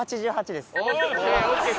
８８です。